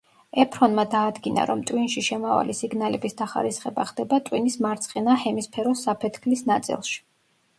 ეფრონმა დაადგინა, რომ ტვინში შემავალი სიგნალების დახარისხება ხდება ტვინის მარცხენა ჰემისფეროს საფეთქლის წილში.